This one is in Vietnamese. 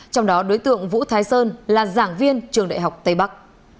trong đó đối tượng vũ thái sơn là giảng viên trường đại học tây bắc